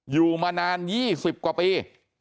อยู่มานาน๒๐กว่าปี